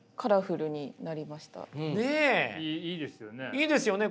いいですよね